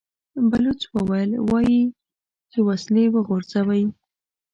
بلوڅ وويل: وايي چې وسلې وغورځوئ!